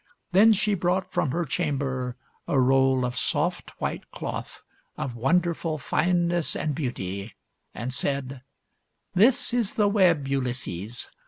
Then she brought from her chamber a roll of soft, white cloth of wonderful fineness and beauty, and said, " This is the web, Ulysses.